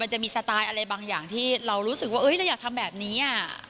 จะมีสไตล์อะไรบางอย่างที่เรารู้สึกว่าเราอยากทำแบบนี้